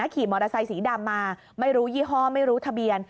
ขี่มอเตอร์ไซสีดำมาไม่รู้ยี่ห้อไม่รู้ทะเบียน